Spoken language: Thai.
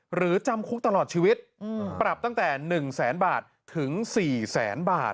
หรือจำคุกตลอดชีวิตปรับตั้งแต่๑แสนบาทถึง๔แสนบาท